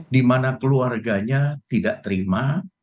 di mana keluarganya tidak terima